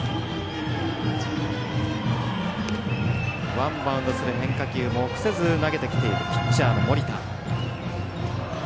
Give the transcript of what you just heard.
ワンバウンドする変化球も臆せず投げてきているピッチャーの盛田。